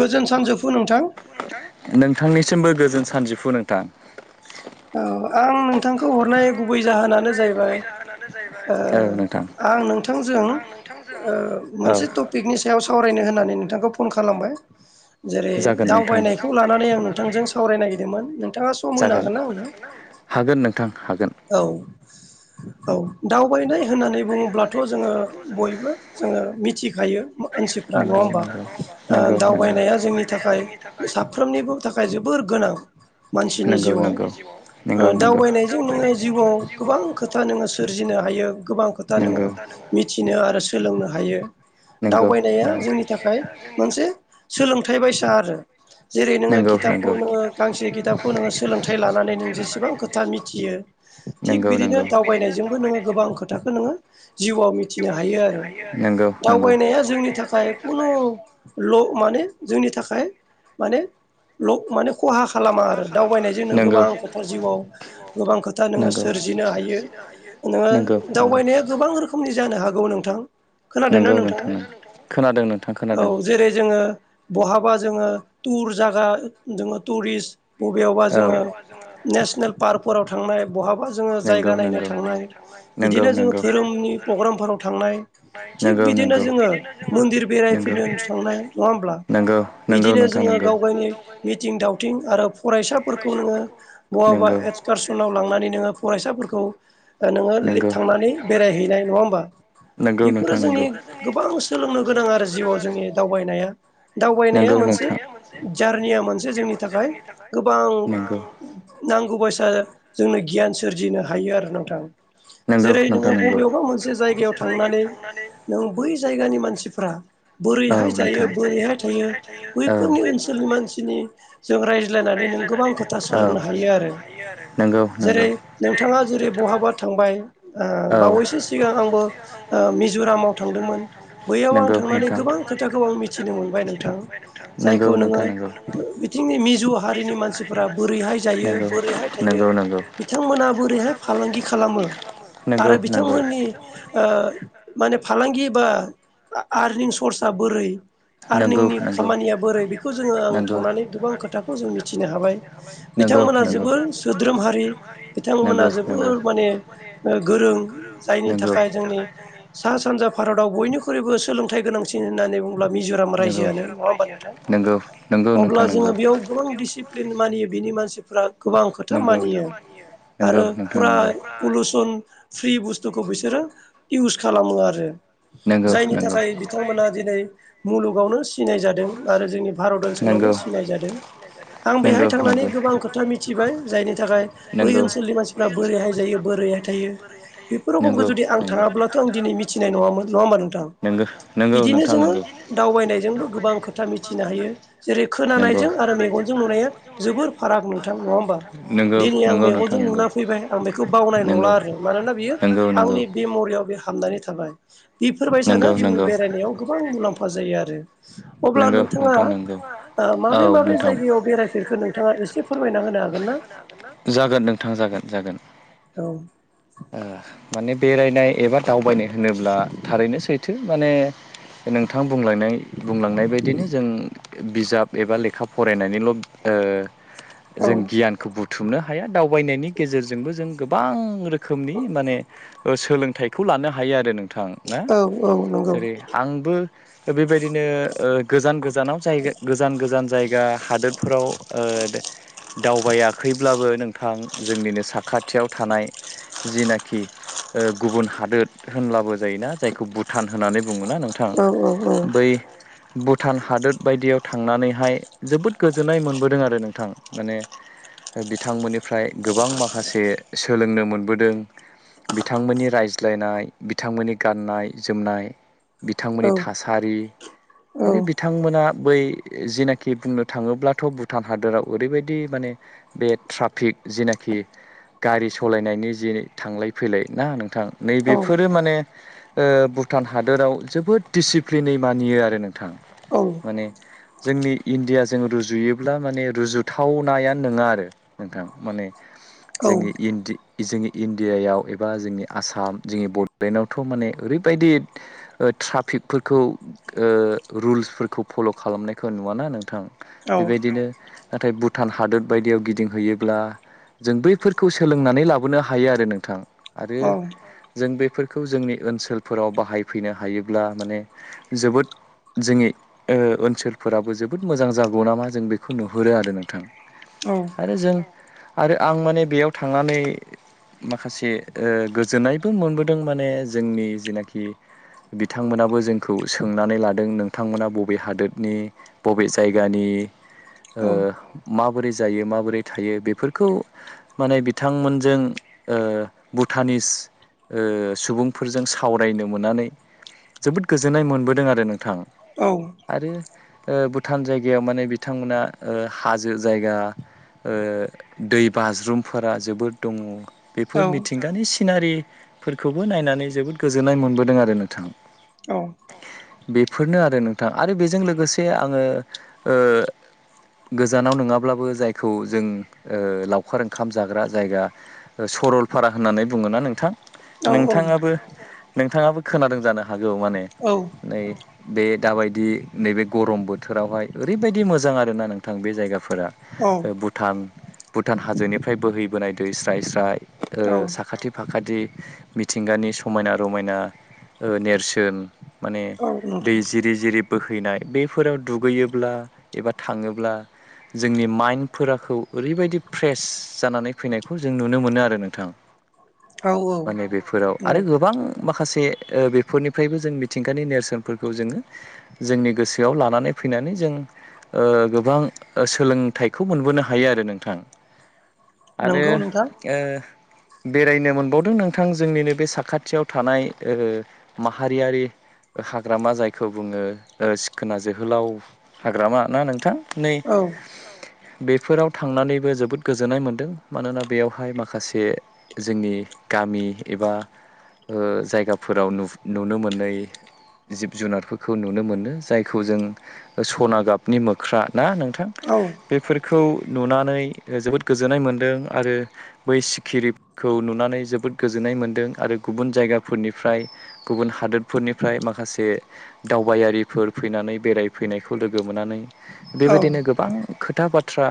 गोजोन सानजोबफु नोंथां। दासिमबो गोजोन सानजिफु नोंथां औ आं नोंथांखौ हरनाय गुबै जाहोनानो जाहैबाय। औ नोंथां आं नोंथांजों औ मोनसे टपिकनि सायाव सावरायनो होननानै नोंथांखौ फन खालामबाय जेरै जागोन दावबायनायखौ लानानै आं नोंथांजों सावरायनो नागिरदोंमोन नोंथाङा सम होनो जागोन हागोन ना आंनो हागोन नोंथां। हागोन औ औ। दावबायनाय होननानै बुङोब्लाथ' जोङो बयबो जोङो मिथिखायो मानसिफ्रा नंगौ नङा। बा नंगौ नंगौ नंगौ दावबायनाया जोंनि थाखाय साफ्रोमनिबो थाखाय जोबोर गोनां। मानसिनि नंगौ जिउआव नंगौ नंगौ नंगौ दावबायनायजों नोङो। जिउआव गोबां खोथा नोङो सोरजिनो हायो गोबां खोथा नोङो नंगौ मिथिनो आरो। सोलोंनो हायो नंगौ दावबायनाया जोंनि थाखाय मोनसे सोलों। फोथाय बायदिसो आरो जेरै नोङो खिथाबखौ नोङो गांसे खिथाबखौ नोङो सोलोंथाइ लानानै नों जेसेबां खोथा मिथियो। थिग बिदिनो दावबायनायजोंबो नोङो गोबां खोथाखौ नोङो जिउआव मिथिनो हायो आरो। दावबायनाया जोंनि थाखाय खुनु म जोंनि थाखाय माने। खहा खालामा आरो दावबायनायजों नों गोबां खोथा जिउआव गोबां खोथा। दा नोङो सोरजिनो हायो नोङो दावबायनाया गोबां रोखोमनि जानो हागौ नोंथां। खोनादोंना हागौ नोंथाङा खोनादों नोंथां खोनादों औ जेरै जोङो। बहाबा जोङो टुर जागा जोङो टुरिस्ट बबेयावबा औ जोङो नेसनेल पार्कफोराव थांनाय। बहाबा जोङो जायगा नायनो थांनाय नायनो बिदिनो जोङो थांनाय धोरोमनि प्रग्रामफोराव थांनाय। थिग थांनाय बिदिनो जोङो मन्दिर बेरायफोरनि थांनाय नङा होमब्ला बिदिनो जोङो। गाव गावनि मिथिं दावथिं। आरो फरायसाफोरखौ नोङो बहाबबा नोङो एक्सकारसनाव लांनानै नोङो फरायसाफोरखौ। नोङो थांनानै बेरायहैनाय नङा होमबा। नङा होमबा बेफोरो जोंनि गोबां सोलोंनो गोनां आरो जिउआव जोंनि दावबायनाया दावबायनाया। मोन जारनिया मोनसे जोंनि थाखाय गोबां नांगौ ब जोंनो गियान सोरजिनो हायो आरो नोंथां। नंगौ जेरै नोङो बबेयावबा मोनसे जायगायाव थांनानै नों बै जायगानि मानसि। मानसिफोरा। बोरैहाय जायो बोरैहाय थायो बैफोरनि ओनसोलनि मानसिनि जों राय रायनानै नों गोबां खोथा सोलोंनो हायो आरो। बावैसो जेरै सिगां नोंथाङा जेरै बहाबा थांबाय। आंबो बावैसो सिगां आंबो मिजरामाव थांदोंमोन बैयाव आं थांनानै गोबां खोथाखौ आं मिथिनो मोनबाय नोंथां। जायखौ नोङो बिथिंनि मिज जिु हारिनि मानसिफोरा बोरैहाय जायो बोरैहाय थायो। बिथांमोनहा बोरैहाय फालांगि खालामो। आरो बिथांमोननि माने। फालांगि बा आरनिं सर्स बोरै। नंगौ आरनिंनि खामानिया बोरै बेखौ जोङो आं थांनानै गोबां खोथाखौ जों मिथिनो हाबाय। बिथांमोनहा बिथांमोना जोबोद सोद्रोम हारि बिथांमोना जोबोर माने गोरों जायनि थाखाय जोंनि। सा सानजा भारताव बयख्रुइबो सोलोंथाइ गोनांसिन होन्नानै बुं बुङोब्ला मिजराम रायजोयानो नङा होनबा नोंथां अब्ला जोङो बेयाव गोबां दिसिफ्लिन गोबां खोथा मानियो आरो फुरा मानियो पलुसन फ्रि बुस्थुखौ बिसोरो इउस खालामो आरो नंगौ जायनि थाखाय बिथांमोना दिनै मुलुगावनो सिनाय जादों आरो जोंनि भारत ओनसोलावनो नंगौ सिनाय जादों आं बेहाय नंगौ थांनानै नंगौ। गोबां खोथा मिथिबाय जायनि थाखाय बै ओनसोलनि मानसिफ्रा बोरैहाय जायो बोरैहाय थायो बेफोर रखमखौ बेफोरखौ जुदि आं थाङाब्लाथ आं दिनै मिथि फनाय नङामोन नङा होमा नोंथां बिदिनो नोंथां जोङो दावबायनायजों यनायबो गोबां खोथा मिथिनो हायो खोनानायजों आरो खोनानायजों मेगनजों आरो नुनाया मेगनजों नुनाया जोबोर जोबोद फाराग नोंथां नोंगौ नोंगौ नोंथां मेगंजों नंगौ नुना फैबाय आं बेखौ बावनाय नंला नंगौ आरो मानोना बियो नंगौ नंगौ। आंनि बेमरियाव बे हाबनानै थ थाबाय बेफोरबायसानो नंगौ जोंनि नंगौ बेरायनायाव गोबां मुलाम्फा जायो आरो अब्ला नंगौ नोंथां नंगौ नोंथाङा औ माबे माबे नोंथां जायगायाव बेरायफेरखो नोंथाङा एसे फोरमायना होनो हागोन ना थां जागोन जागोन औ माने बेरायनाय एबा दावबायनाय होनोब्ला थारैनो सैथो माने नोंथां बुंलांनाय बुंलांनाय बायदिनो जों बिजाब एबा लेखा फरायनानैल' औ जों गियानखौ बुथुमनो हाया दावबायनायनि गेजेरजोंबो जों गोबां रोखोम रोखोमनि माने सोलोंथाइखौ लानो हायो आरो नोंथां ना औ औ नंगौ जेरै आंबो बेबायदिनो गोजान गोजानाव जाया गोजान गोजान जायगा दा हादोरफोराव आरो दावबायाखैब्लाबो नोंथां जोंनिनो साखाथियाव थानाय जिनाखि ओ गुबुन हादोर होनब्लाबो जायोना जायखौ भुटान होननानै बुंङोना नोंथां औ औ बै भुटान हादोर बायदियाव थांनानैहाय जोबोद गोजोननाय मोनबोदों आरो नोंथां माने बिथांमोननिफ्राय गोबां माखासे सोलोंनो मोन मोनबोदों बिथांमोननि रायज्लायनाय बिथांमोननि गाननाय जोमनाय औ बिथांमोननि थासारि आरो बिथांमोना बै जिनाखि बुंनो थाङोब्लाथ' भुटान हादराव ओरैबायदि माने बे ट्राफिक जिनाखि गारि सालायनायनि जि थांलाय फैलाय ना नोंथां नैबेफोरो औ माने ओ भुटान हादोराव जोबोद डिसिप्लिनै मानियो आरो नों थां माने जोंनि इण्डियाजों रुजुयोब्ला माने रुजुथावनाया नङा आरो नोंथां माने जोंनि औ इन्दि जोंनि इण्डियायाव एबा जोंनि आसाम जोंनि बड'लेण्डआवथ' माने ओरैबायदि ओ ट्राफिकफोरखौ ओ रुल्सफोरखौ फल' खालामनायखौ नुवाना नों थां औ बेबायदिनो नाथाय भुटान हादोर बायदियाव गिदिंहैयोब्ला जों बैफोरखौ सोलोंनानै लाबो नो हायो आरो नोंथां आरो औ जों बेफोर खौ जोंनि ओनसोलफोराव बाहायफैनो हायोब्ला माने जोबोद जोंनि ओ ओनसोलफोराबो जोबोद मोजां जागौ नामा जों बेखौ नुहुरो आरो नोंथां औ आरो जों आरो आं माने बेयाव थांनानै माखासे ओ गोजोननायबो मोनबोदों माने जोंनि जेनाखि बिथांमोनाबो जोंखौ सोंनानै लादों नोंथांमोना बबे हादोरनि बबे जायगानि ओ माबोरै जायो माबोरै थायो बेफोरखौ माने बिथांमोनजों ओ भुटानिस ओ सुबुंफोरजों सावरायनो मोननानै जोबोद गोजोननाय मोनबोदों आरो नोंथां औ आरो ओ भुटान जायगायाव माने बिथांमोना ओ हाजो जायगा ओ दै बाज्रुमफोरा जोबोद दङ। औ बेफोर मिथिंगानि सिनारिफोरखौबो नायनानै जोबोद गोजोननाय मोनबोदों आरो नोंथां औ बेफोरनो आरो नोंथां आरो बेजों लोगोसे आङो ओ गोजानाव नङाब्लाबो जायखौ जों लावखार ओंखाम जाग्रा जायगा सरलपारा होननानै बुङो ना नोंथां नोंथाङाबो नोंथाङाबो खोनादों जानो? हागौ माने औ नै बे दाबायदि नैबे गरम बोथोरावहाय ओरैबायदि मोजां आरोना नोंथां बे जायगा फोरा भुटान भुटान हाजोनिफ्राय बोहैबोनाय दै स्राय स्राय ओ औ साखाथि फाखाथि बिदि मिथिंगानि समायना रमायना ओ नेरसोन माने औ दै नोंथां जिरि जिरि बोहैनाय बेफोराव दुगैयोब्ला एबा थाङोब्ला जोंनि माइन्डखौ ओरैबायदि फ्रेस जानानै फैनायखौ जों नुनो मोनो आरो नोंथां औ औ माने बेफोराव आरो गोबां माखासे बेफोरनिफ्रायबो जों मिथिंगानि नेरसोनफोरखौ जोङो जोंनि गोसोआव लानानै फैनानै जों ओगोबां सोलोंथाइखौ मोनबोनो हायो आरो नोंथां। आरो नंगौ नोंथां ओ बेरायनो मोनबावदों नोंथां जोंनिनो बे साखाथियाव थानाय ओ माहारियारि हाग्रामा जायखौ बुङो ओ सिखोना जोहोलाव हाग्रामा ना नोंथां नै औ बेफोराव थांनानैबो जोबोद गोजोननाय मोन्दों। मानोना बेयावहाय माखासे जोंनि गामि एबा जायगाफोराव नुनो मोनै जिब जुनारफोरखौ नुनो मोनो जायखौ जों सना गाबनि मोख्रा ना नोंथां औ बेफोरखौ नुनानै जोबोद गोजोननाय मोन्दों आरो। बै सिखिरिखौ नुनानै जोबोद गोजोननाय मोन्दों आरो गुबुन जायगाफोरनिफ्राय गुबुन हादोरफोरनिफ्राय माखासे दावबायारिफोर फैनानै बेरायफैनायखौ लोगो मोननानै बेबायदिनो गोबां खोथा बाथ्रा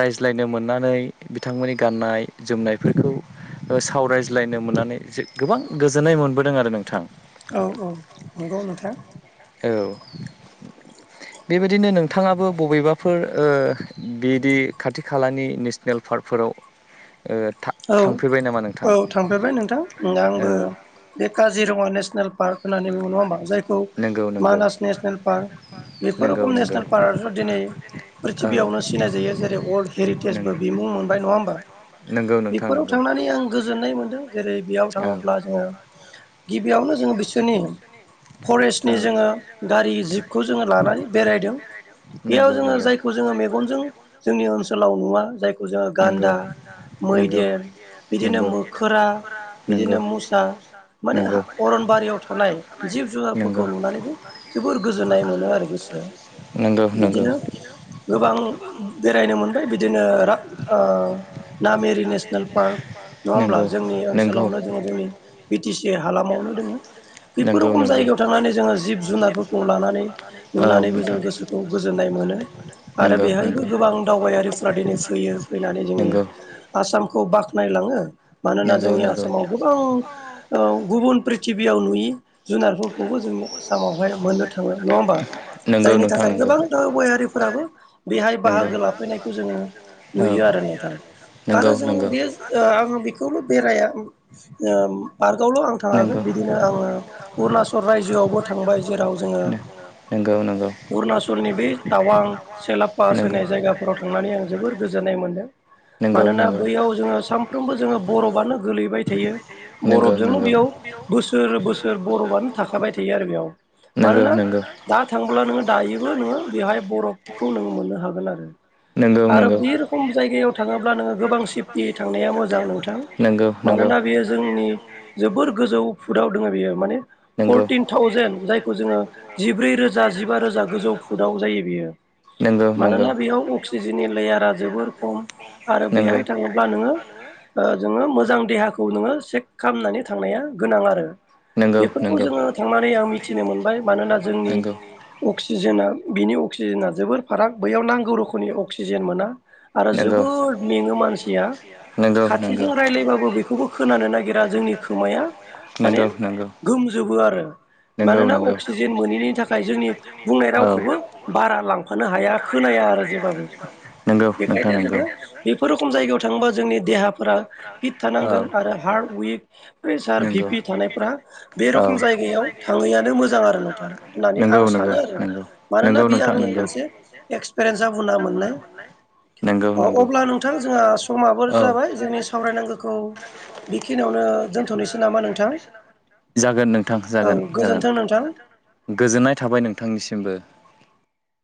रायज्लायनो मोननानै बिथांमोननि गाननाय जोमनायफोरखौ सावरायज्लायनो मोननानै गोबां गोजोननाय मोनबोदों आरो नोंथां औ-औ नंगौ नोंथां औ बेबायदिनो नोंथाङाबो बबेबाफोर ओ बिदि खाथि खालानि नेसनेल फार्ग फोराव औ थांफेरबाय नामा? औ नोंथां थांफेरबाय नोंथां औ आंबो बे काजिरङा नेसनेल पार्क होननानै बुङो नङा होमबा? जायखौ नंगौ नंगौ मानास नेसनेल पार्क बेफोर नंगौ रखम नंगौ नेसनेल पार्क दिनै औ प्रिथिबियावनो सिनाय जायो जेरै अर्ल्ड हेरिटेजबो नंगौ बिमुं मोनबाय नङा होमबा नंगौ नोंथां बेफोराव नंगौ थांनानै आं गोजोननाय मोनदों जेरै बेयाव औ थाङोब्ला जोङो बेयावनो जोङो बिसोरनि फरेस्टनि जोङो गारि जिबखौ जोङो लानानै बेरायदों। बेयाव जोङो जायखौ जोङो मेगनजों जोंनि ओनसोलाव नुवा जायखौ जोङो जायखौ जोङो गान्दा मैदेर बिदिनो मोखोरा बिदिनो मुसा माने अरनबारियाव थानाय जिब जुनारफोरखौ नुनानैबो जोबोर गोजोननाय मोनो आरो। नङा होमब्ला नोंथां बिदिनो जोंनि ओनसोलावनो गोबां बेरायनो मोनबाय बि बिदिनो नामेरि नेस नेल पार्क नङा होमब्ला जोंनि ओनसोलावनो दोङ जोंनि बि टि सि हालामावनो दोङो। बैफैद रोखोम जों जोंनि जिखुनु जायगायाव थांनानै जोङो जिब जुनारफोरखौ लानानै नुनानैबो जों गोसोखौ गोजोन। गोजोननाय मोनो। आरो बेहायबो गोबां दावबायारिफ्रा दिनै फैयो फैनानै जोंनि आसाम खौ बाखनायलाङो मानोना नंगौ जोंनि नंगौ आसामाव गोबां गुबुन प्रिथि बियाव नुयि जुनारफोरखौबो जोंनि आसामावहाय मोननो थाङो नङा होमबा नंगौ जायनि नोंथां थाखाय नंगौ गोबांथार बयारि फोराबो बेहाय नंगौ बाहागो लाफैनायखौ जोङो नुयो आरो नोंथां। आरो नोंगौ जोङो नंगौ। बे आं बेखौल' बेराया ओम पार्क आवल' आं थाङाखै नंगौ बिदिनो आङो अरुणाचल रायजोआवबो थांबाय जेराव जोङो। नोंगौ नोंगौ। अरुणाचलनि बै टावां सेला पास होननाय नंगौ जायगाफोराव थांनानै आं जोबोर गोजोननाय मोनदों। नंगौ मानोना नंगौ। बैयाव जोङो सामफ्रामबो जोङो बरफआनो गोलैबाय थायो बरफजोंनो बेयाव बोसोर बोसोर। बर'आनो थाखाबाय थायो आरो बेयाव। नंगौ नंगौ मानोना नंगौ दा थांब्ला नोङो दायोबो नोङो बेवहाय बरफखौ नोङो मोननो हागोन आरो। नंगौ आरो नंगौ ब रखम जायगायाव थाङोब्ला नोङो गोबां सिफ ति थांनाया मोजां नोंथां नंगौ मानोना नंगौ बेयो जोंनि जोबोर गोजौ फुटाव दोङो बियो माने नंगौ फरटिन थावजेेन जायखौ जोङो जिब्रै रोजा जिबा रोजा गोजौ फुटाव जायो बियो। नंगौ नंगौ मानोना बेयाव अक्सिजेननि लेयारा जोबोर खम आरो बेहाय थाङोब्ला। थाङोब्ला नोङो। ओ नोङो मोजां देहाखौ नोङो चेक खालामनानै थांनाया गोनां आरो। नंगौ बेफोरखौ नंगौ जोङो थांनानै आं मिथिनो मोनबाय मानोना जोंनि अक्सि अक्सिजेना बिनि अक्सिजेना जोबोर फाराग बैयाव नांगौ रोखोमनि अक्सिजेन मोना। आरो जोबोद मेङो मानसि। फारसेथिं खाथिजों राय्लायबाबो रायलायबाबो बेखौबो खोनानो नागिरा जोंनि खोमाया माने। नंगौ नंगौ गोमजोबो। आरो नंगौ मानोना नंगौ अक्सिजेन मोनैनि थाखाय जोंनि बुंनाय रावखौबो बारा लांफानो हाया खोन खोनाया आरो बेब बेखायनो जोङो बेफोर रखम जायगायाव थाङोबा जोंनि देहा फोरा फिट थानांगोन आरो हार्ड उइक प्रेसार भिपि थानायफोरा बे रखम जाया। जायायाव थाङैआनो मोजां आरो नोंथां होननानै आं सानो आरो मानोना अब्ला बे आंनि मोनसे एक्सपिरियेन्सा बुंना मोननाय नोंथां अब्ला नोंथां जोंहा। समाबो जाबाय जोंनि सावरायनांगौखौ बेखिनियावनो दोन्थनोसै जागोन नोंथां औ जागोन जागोन। गोजोन्थों नोंथां गोजोननाय थाबाय नोंथांनिसिमबो।